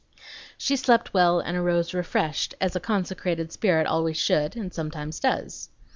She slept well and arose refreshed, as a consecrated spirit always should and sometimes does.